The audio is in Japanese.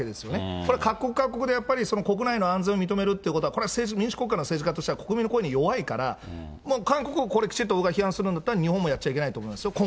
これ、各国各国で、やっぱり国内の安全を認めるということは、これ、政治、民主国家の政治家としては国民の声に弱いから、もう韓国をこれ、きちんと批判するんだったら日本もやっちゃいけないと思いますよ